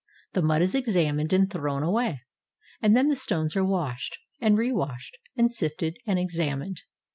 The mud is examined and thrown away, — and then the stones are washed, and rewashed, and sifted, and examined.